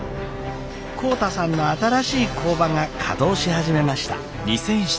浩太さんの新しい工場が稼働し始めました。